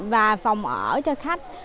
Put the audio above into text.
và phòng ở cho khách